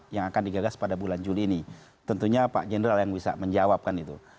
yang akan digagas pada bulan juli ini tentunya pak general yang bisa menjawabkan itu